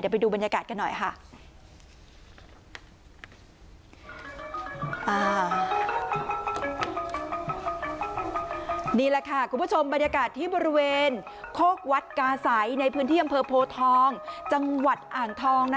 นี่แหละค่ะคุณผู้ชมบรรยากาศที่บริเวณโคกวัดกาไสในพื้นที่อำเภอโภทองจังหวัดอ่านทองนะคะ